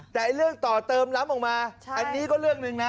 แต่เรื่องต่อเติมล้ำออกมาอันนี้ก็เรื่องหนึ่งนะ